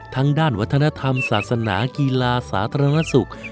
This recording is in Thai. ทั้งด้านวัฒนธรรมศาสนากีฬาสาธารณสุข